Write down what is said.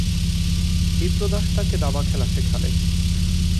বিপ্রদাস তাকে দাবাখেলা শেখালে।